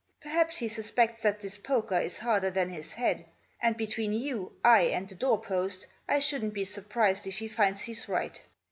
Perhaps he suspects that this poker is harder than his head ; and, between you, I, and the door post, I shouldn't be surprised if he finds he's right.